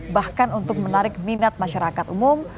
bahkan untuk menarik minat masyarakat umum